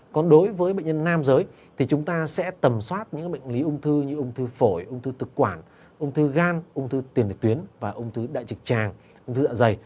còn đối với bệnh nhân nam giới thì chúng ta sẽ tầm soát những bệnh lý ung thư như ung thư phổi ung thư thực quản ung thư gan ung thư tiền tuyến và ung thư đại trực tràng ung thư dạ dày